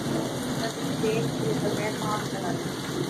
مزید دیر کئے بغیر آگ جلائی